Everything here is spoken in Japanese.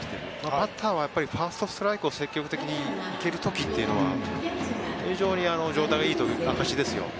バッターはやっぱりファーストストライクを積極的に行ける時というのは非常に状態がいいという証しですよ。